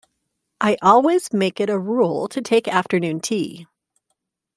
I always make it a rule to take afternoon tea.